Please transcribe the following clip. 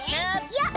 やっ！